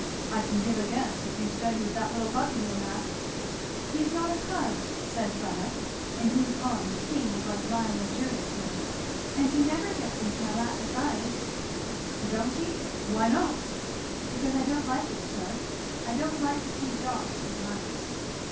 I can give a guess, if you study with that little pug in your lap." "He is not a pug!" said Fleda, in whose arms King was lying luxuriously, "and he never gets into my lap besides." [Illustration: "He is not a pug."] "Don't he! Why not?" "Because I don't like it, sir. I don't like to see dogs in laps."